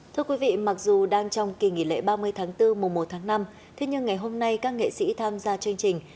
thưa quý vị mặc dù đang trong kỳ nghỉ lễ ba mươi tháng bốn mùa một tháng năm thế nhưng ngày hôm nay các nghệ sĩ tham gia chương trình